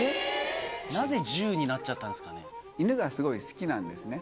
なぜ１０になっちゃったんですかね？